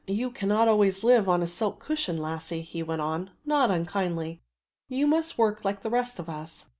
"You cannot always live on a silk cushion, lassie," he went on, not unkindly, "you must work like the rest of us."